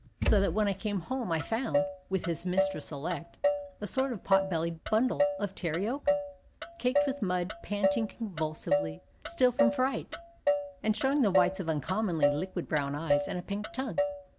So that when I came home I found, with his mistress elect, a sort of potbellied bundle of tarry oakum, caked with mud, panting convulsively still from fright, and showing the whites of uncommonly liquid brown eyes and a pink tongue.